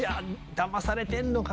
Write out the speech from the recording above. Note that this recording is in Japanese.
だまされてんのか？